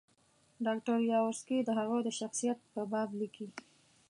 ډاکټر یاورسکي د هغه د شخصیت په باب لیکي.